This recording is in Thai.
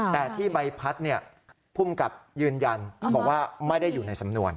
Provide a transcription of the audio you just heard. แต่ที่ใบพัดภูมิกับยืนยันบอกว่าไม่ได้อยู่ในสำนวน